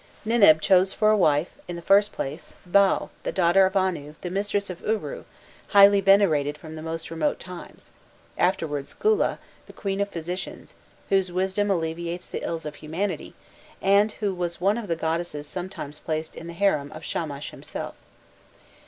Ninib chose for wife, in the first place, Bau, the daughter of Anu, the mistress of Uru, highly venerated from the most remote times; afterwards Gula, the queen of physicians, whose wisdom alleviated the ills of humanity, and who was one of the goddesses sometimes placed in the harem of Shamash himself.